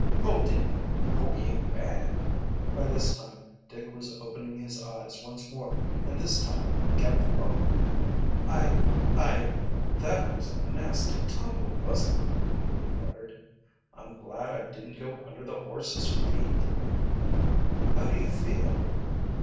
Poor Dick, hope he ain't bad." By this time Dick was opening his eyes once more, and this time he kept them open. "I I that was a nasty tumble, wasn't it?" he muttered. "I'm glad I didn't go under the horses' feet." "How do you feel?"